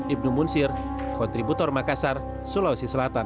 ibnu munsir kontributor makassar sulawesi selatan